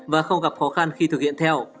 và không gặp khó khăn khi thực hiện theo